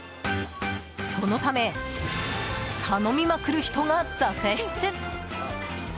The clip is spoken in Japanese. そのため、頼みまくる人が続出。